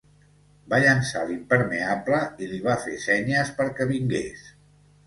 Va llençar l'impermeable i li va fer senyes perquè vingués.